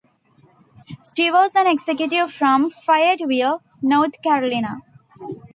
She was an executive from Fayetteville, North Carolina.